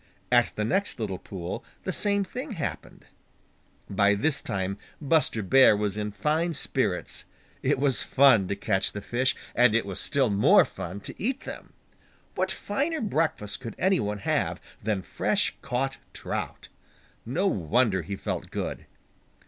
At the next little pool the same thing happened. By this time Buster Bear was in fine spirits. It was fun to catch the fish, and it was still more fun to eat them. What finer breakfast could any one have than fresh caught trout? No wonder he felt good!